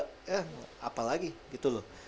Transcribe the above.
ya apalagi gitu loh